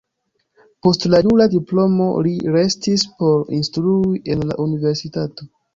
Post la jura diplomo li restis por instrui en la universitato.